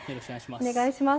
お願いします。